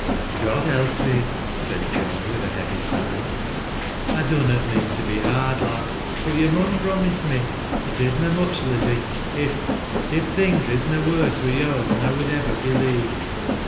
" God help thee 1 " said Joan with a heavy sigh. " I dunnot mean to be hard, lass, but yo' mun promise me. It is na mich, Lizzie, if — if things is na worse wi' yo' than I would ivver believe.